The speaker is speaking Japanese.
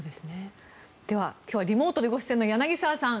では今日はリモートでご出演の柳澤さん